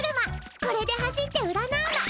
これで走って占うの。